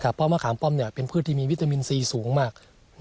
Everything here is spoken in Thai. เพราะมะขามป้อมเป็นพืชที่มีวิตามินซีสูงมาก